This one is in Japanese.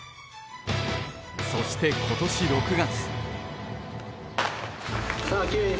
そして今年６月。